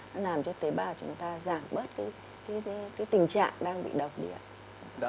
nó làm cho tế bào chúng ta giảm bớt cái tình trạng đang bị đọc điện